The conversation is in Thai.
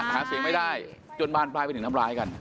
หาเสียงไม่ได้จนบานปลายไปถึงทำร้ายกัน